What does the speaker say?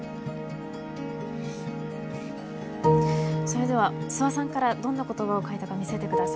それでは諏訪さんからどんな言葉を書いたか見せてください。